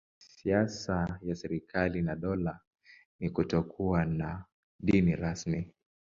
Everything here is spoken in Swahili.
Siasa ya serikali na dola ni kutokuwa na dini rasmi.